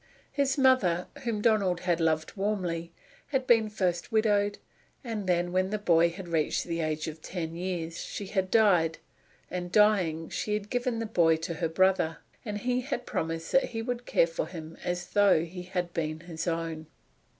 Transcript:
His mother, whom Donald had loved warmly, had been first widowed, and then, when her boy had reached the age of ten years, she had died; and, dying, she had given the boy to her brother, and he had promised that he would care for him as though he had been his own.